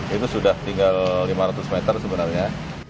itu sudah tinggal lima ratus meter sebenarnya